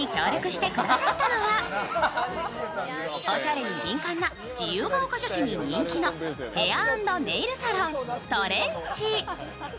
おしゃれに敏感な自由が丘女子に人気のヘア＆ネイルサロン、トレンチ。